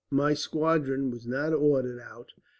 My squadron was not ordered out.